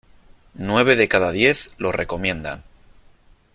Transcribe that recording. Nueve de cada diez lo recomiendan.